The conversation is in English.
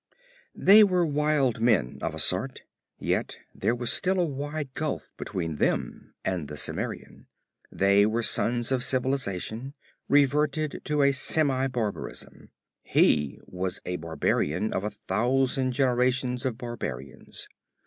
They were wild men, of a sort, yet there was still a wide gulf between them and the Cimmerian. They were sons of civilization, reverted to a semi barbarism. He was a barbarian of a thousand generations of barbarians.